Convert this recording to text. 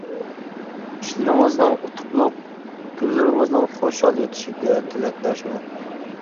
ئىشلىرىڭىزنىڭ ئۇتۇقلۇق، كۈنلىرىڭىزنىڭ خۇشال ئۆتىشىگە تىلەكداشمەن!